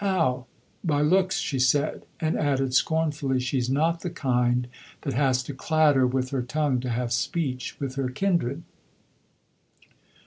How? "By looks," she said, and added scornfully, "she's not the kind that has to clatter with her tongue to have speech with her kindred."